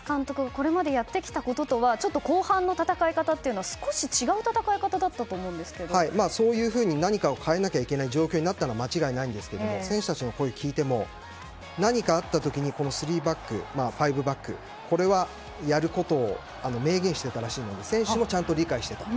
これまでやってきたこととは後半の戦い方は少し違うそういうふうに何かを変えなきゃいけない状況だったのは間違いないんですが選手たちの声を聞いても何かあった時に３バック、５バックこれはやることを明言していたらしいので選手もちゃんと理解していたと。